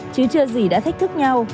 chứ chưa gì đã thách thức nhau